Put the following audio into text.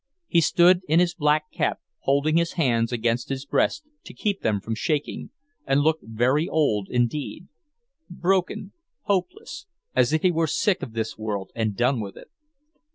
He stood in his black cap, holding his hands against his breast to keep them from shaking, and looked very old indeed, broken, hopeless, as if he were sick of this world and done with it.